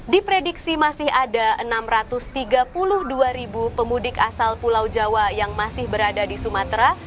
diprediksi masih ada enam ratus tiga puluh dua ribu pemudik asal pulau jawa yang masih berada di sumatera